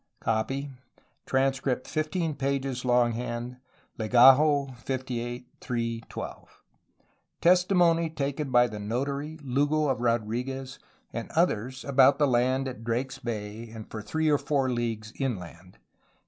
Copy. Transcript 15 pp. long hand. Legajo 58 3 12. Testimony taken by the notary Lugo of Rodriguez and others about the land at Drake's Bay and for three or four leagues inland.